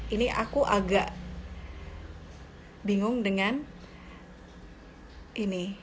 ini aku agak bingung dengan ini